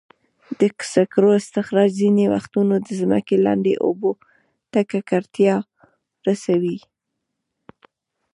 د سکرو استخراج ځینې وختونه د ځمکې لاندې اوبو ته ککړتیا رسوي.